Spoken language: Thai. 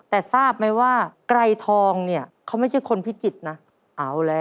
แต่ทราบไหมว่าไกรทองเขาไม่ใช่คนพิจิตรนะ